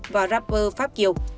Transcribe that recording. và rapper pháp kiều